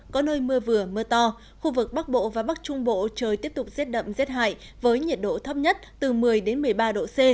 giữa mưa to khu vực bắc bộ và bắc trung bộ trời tiếp tục giết đậm giết hại với nhiệt độ thấp nhất từ một mươi một mươi ba độ c